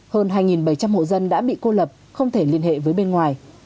hơn hai bảy trăm linh hộ dân đã bị cô lập không thể liên hệ với bên ngoài